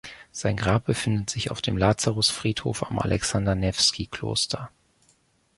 Sein Grab befindet sich auf dem Lazarus-Friedhof am Alexander-Newski-Kloster.